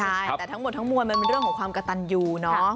ใช่แต่ทั้งหมดทั้งมวลมันเป็นเรื่องของความกระตันยูเนอะ